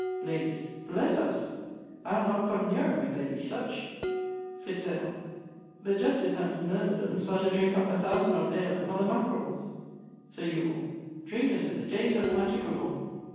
Ladies. Bless us! I'le not come neer 'em, if they be such. Fitz ale. The Justice and's myrmidons are to drinke up 1000 of ale at mother Mackerell's. Sir Eubule drinke as in the dayes of Pantagruel.